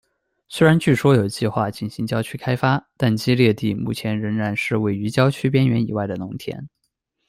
虽然据说有计划进行郊区开发，但基列地目前仍然是位于郊区边缘以外的农田。